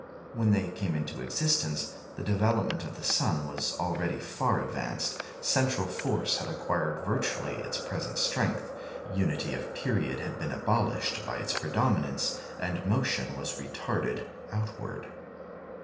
When they came into existence, the development of the sun was already far advanced, central force had acquired virtually its present strength, unity of period had been abolished by its predominance, and motion was retarded outward.